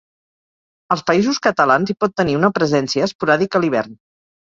Als Països Catalans, hi pot tenir una presència esporàdica a l'hivern.